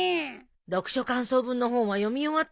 読書感想文の本は読み終わったの？